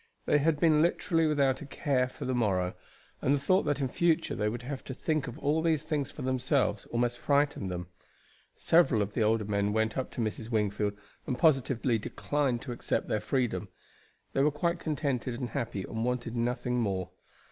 They had been literally without a care for the morrow, and the thought that in future they would have to think of all these things for themselves almost frightened them. Several of the older men went up to Mrs. Wingfield and positively declined to accept their freedom. They were quite contented and happy, and wanted nothing more.